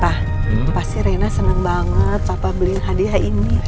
pak pasti rena seneng banget papa beliin hadiah ini